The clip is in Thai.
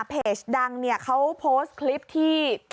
เผจดังเขาโพสต์คลิปที่